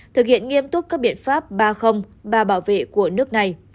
thực hiện nghiêm túc các biện pháp ba ba bảo vệ của nước này